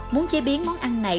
muốn chế biến món ăn này